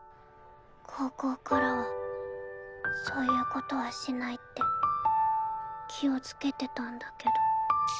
高校からはそういうことはしないって気をつけてたんだけど。